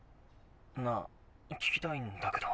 なあ聞きたいんだけど。